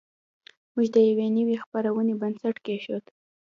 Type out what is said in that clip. موږ د یوې نوې خپرونې بنسټ کېښود